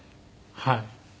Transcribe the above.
はい。